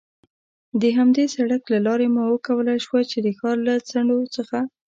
د همدې سړک له لارې مو کولای شوای، چې د ښار له څنډو څخه.